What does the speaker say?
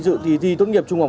dự tì thi tốt nghiệp trung học